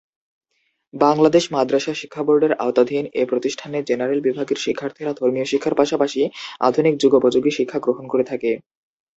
বাংলাদেশ মাদরাসা শিক্ষা বোর্ডের আওতাধীন এ প্রতিষ্ঠানে জেনারেল বিভাগের শিক্ষার্থীরা ধর্মীয় শিক্ষার পাশাপাশি আধুনিক যুগোপযোগী শিক্ষা গ্রহণ করে থাকে।